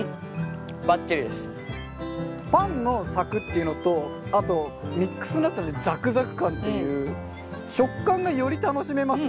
パンのサクっていうのとあとミックスナッツのザクザク感という食感がより楽しめますね